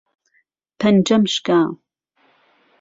پەنجەم شکا.